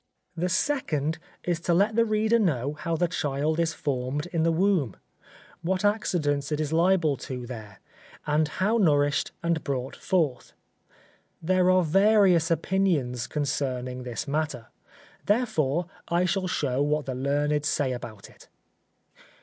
The second is to let the reader know how the child is formed in the womb, what accidents it is liable to there, and how nourished and brought forth. There are various opinions concerning this matter; therefore, I shall show what the learned say about it.